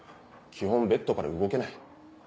基本ベッドから動けない。